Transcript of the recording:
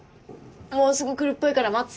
もうすぐ来るっぽいから待つ。